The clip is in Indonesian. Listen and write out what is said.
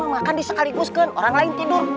makan disekaliguskan orang lain tidur